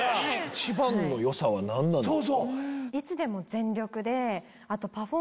一番の良さは何なんですか？